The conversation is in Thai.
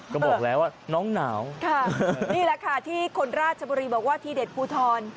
ก็บอกแล้วว่าน้องหนาวค่ะนี่แหละค่ะที่คนราชบุรีบอกว่าทีเด็ดภูทร